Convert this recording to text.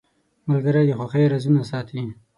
ملګری د خوښۍ رازونه ساتي.